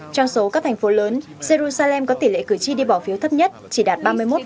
trong số các thành phố lớn jerusalem có tỷ lệ cử tri đi bỏ phiếu thấp nhất chỉ đạt ba mươi một